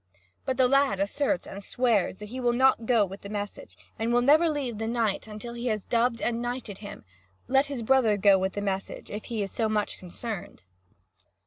But the lad asserts and swears that he will not go with the message, and will never leave the knight until he has dubbed and knighted him; let his brother go with the message, if he is so much concerned.